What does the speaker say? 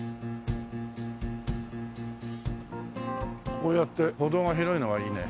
こうやって歩道が広いのはいいね。